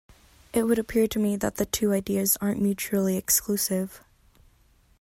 It would appear to me that the two ideas aren't mutually exclusive.